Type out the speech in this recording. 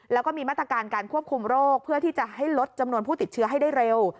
แล้วก็มีมาตรการการควบคุมโรคเพื่อที่จะให้ลดจำนวนผู้ติดเชื้อให้ได้เร็ว